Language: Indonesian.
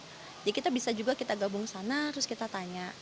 jadi kita bisa juga kita gabung ke sana terus kita tanya